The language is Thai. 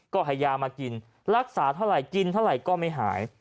ก็ให้ยามากินรักษาเท่าไหร่กินเท่าไหร่ก็ไม่หาย